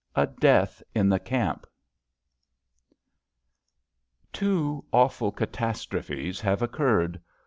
A DEATH IN THE CAMP npWO awful catastrophes have occurred.